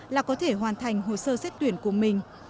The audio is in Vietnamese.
là có thể hoàn thành hồ sơ xét tuyển của mình